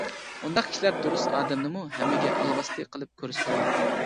ئۇنداق كىشىلەر دۇرۇس ئادەمنىمۇ ھەممىگە ئالۋاستى قىلىپ كۆرسىتىدۇ.